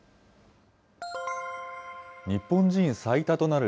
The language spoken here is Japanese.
日本人最多となる